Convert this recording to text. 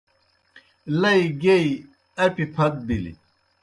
لئی گیئی، اپیْ پھت بِلیْ